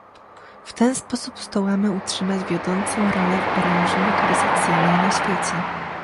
W ten sposób zdołamy utrzymać wiodącą rolę w branży motoryzacyjnej na świecie